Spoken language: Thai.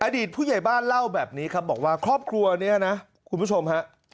อดีตผู้ใหญ่บ้านเล่าแบบนี้ครับบอกว่าครอบครัวนี้นะคุณผู้ชมฮะ